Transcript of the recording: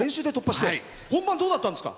本番どうだったんですか？